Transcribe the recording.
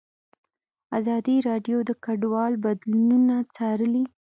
ازادي راډیو د کډوال بدلونونه څارلي.